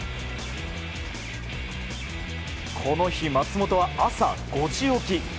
この日、松元は朝５時起き。